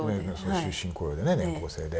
終身雇用でね、年功制で。